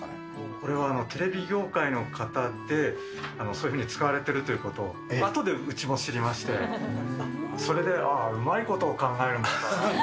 これはテレビ業界の方でそういうふうに使われているということ、あとでうちも知りまして、それでうまいことを考えるもんだなと。